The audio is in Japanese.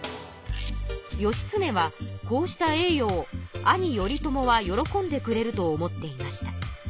義経はこうした栄よを兄頼朝は喜んでくれると思っていました。